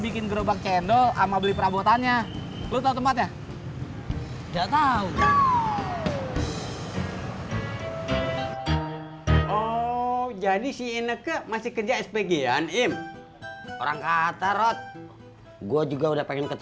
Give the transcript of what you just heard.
kalau nya mau decet